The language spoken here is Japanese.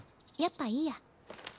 やっぱいいや。